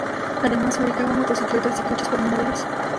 Además, fabricaba motocicletas y coches para inválidos.